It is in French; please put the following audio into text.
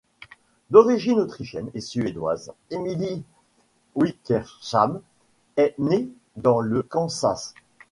D'origines autrichienne et suédoise, Emily Wickersham est née dans le Kansas.